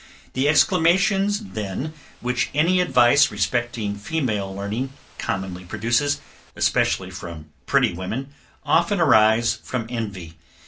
The exclamations then which any advice respecting female learning, commonly produces, especially from pretty women, often arise from envy.